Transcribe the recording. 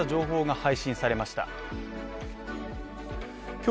今日